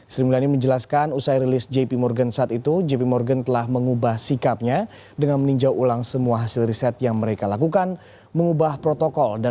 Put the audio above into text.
sri mulyani menjelaskan usai rilis jp morgan saat itu jp morgan telah mengubah sikapnya dengan meninjau ulang semua hasil riset yang mereka lakukan mengubah protokol